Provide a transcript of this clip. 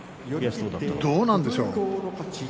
どうなんでしょう。